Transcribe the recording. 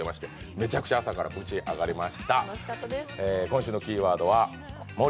めちゃくちゃ朝からブチ上がりました。